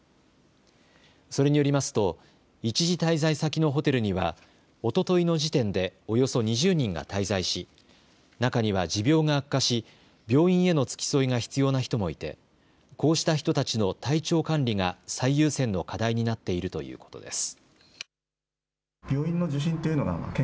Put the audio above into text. それによりますと一時滞在先のホテルには、おとといの時点でおよそ２０人が滞在し中には持病が悪化し病院への付き添いが必要な人もいて、こうした人たちの体調管理が最優先の課題になっているということです。